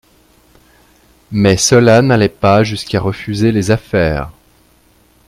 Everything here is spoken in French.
Mais cela n'allait pas jusqu'à refuser les affaires.